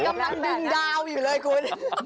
กำลังดึงดาวอยู่เลยคุณ